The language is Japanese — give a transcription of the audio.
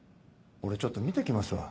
俺ちょっと見て来ますわ。